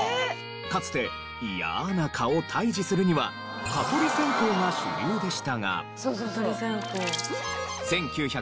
かつて嫌な蚊を退治するには蚊取り線香が主流でしたが。